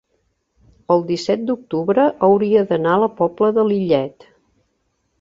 el disset d'octubre hauria d'anar a la Pobla de Lillet.